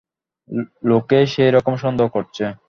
লোকে সেইরকম সন্দেহ করছে।